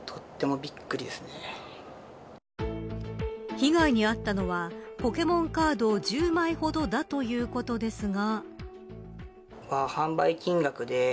被害に遭ったのはポケモンカード１０枚ほどだということですが。